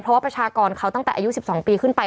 เพราะว่าประชากรเขาตั้งแต่อายุ๑๒ปีขึ้นไป